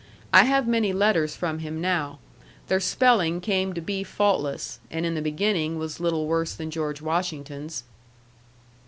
I have many letters from him now. Their spelling came to be faultless, and in the beginning was little worse than George Washington's.